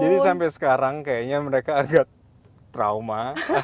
jadi sampai sekarang kayaknya mereka agak trauma